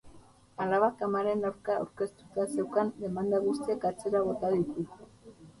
Alabak amaren aurka aurkeztuta zeuzkan demanda guztiak atzera bota ditu.